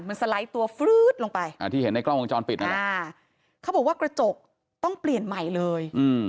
มันสไลด์ตัวฟื๊ดลงไปที่เห็นในกล้องวงจรปิดนั่นแหละเขาบอกว่ากระจกต้องเปลี่ยนใหม่เลย